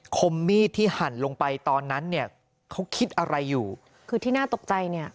คมมีดที่หั่นลงไปตอนนั้นเนี่ยเขาคิดอะไรอยู่คือที่น่าตกใจเนี่ย